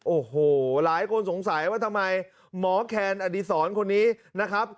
โอ้โหหลายคนสงสัยว่าทำไมหมอแคนอดีศรคนนี้นะครับ